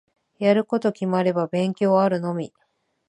やること決まれば勉強あるのみ。